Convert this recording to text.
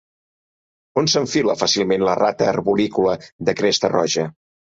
On s'enfila fàcilment la rata arborícola de cresta roja?